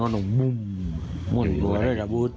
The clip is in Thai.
มันต้องมุ่มมุ่นกว่าเล็กกว่าบู๊ด